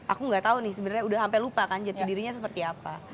aku gak tau nih sebenernya udah sampai lupa kan jadi dirinya seperti apa